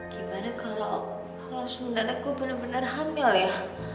gimana kalo kalo semudadaku bener bener hamil ya